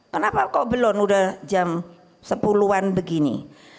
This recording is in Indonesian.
kenapa kok belon udah jam sepuluhan begini